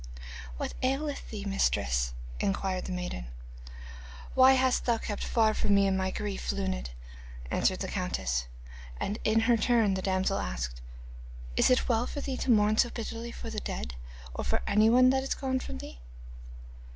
'What aileth thee, mistress?' inquired the maiden. 'Why hast thou kept far from me in my grief, Luned?' answered the countess, and in her turn the damsel asked: 'Is it well for thee to mourn so bitterly for the dead, or for anything that is gone from thee?